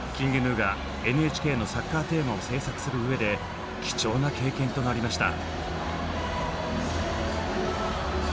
ＫｉｎｇＧｎｕがＮＨＫのサッカーテーマを制作するうえで貴重な経験となりました。